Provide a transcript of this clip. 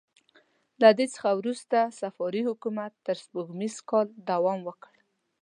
له دې څخه وروسته صفاري حکومت تر سپوږمیز کاله دوام وکړ.